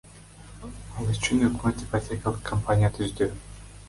Ал үчүн өкмөт ипотекалык компания түздү.